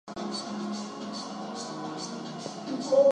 His rulings were highly regarded by his contemporaries.